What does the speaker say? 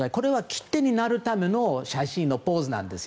切手になるための写真のポーズです。